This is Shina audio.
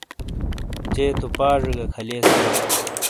چے تو پاجے گہ کھَلئیساں۔